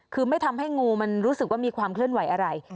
คือไม่ทำให้งูมันรู้สึกว่ามีความเคลื่อนไหวอะไร